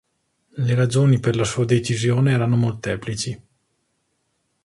Le ragioni per la sua decisione erano molteplici.